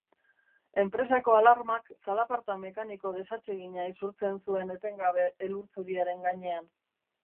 Enpresako alarmak zalaparta mekaniko desatsegina isurtzen zuen etengabe elur zuriaren gainean.